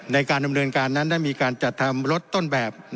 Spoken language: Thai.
ในการดำเนินการนั้นได้มีการจัดทำรถต้นแบบ